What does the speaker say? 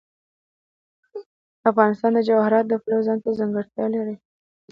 افغانستان د جواهرات د پلوه ځانته ځانګړتیا لري.